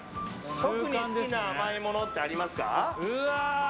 特に好きな甘いものってありますか？